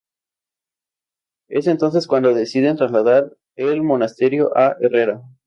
Es entonces cuando deciden trasladar el monasterio a Herrera.